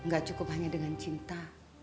gak cukup hanya dengan cinta